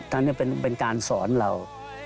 ท่านเนี่ยเป็นการสอนเรา